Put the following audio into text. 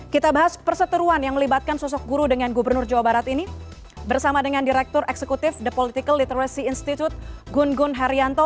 kita bahas perseteruan yang melibatkan sosok guru dengan gubernur jawa barat ini bersama dengan direktur eksekutif the political literacy institute gun gun haryanto